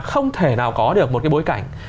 không thể nào có được một cái bối cảnh